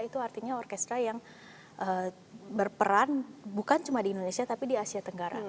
itu artinya orkestra yang berperan bukan cuma di indonesia tapi di asia tenggara